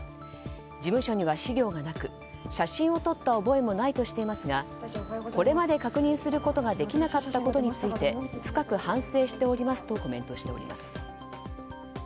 事務所には資料がなく写真を撮った覚えもないとしていますがこれまで確認することができなかったことについて深く反省しておりますとコメントしています。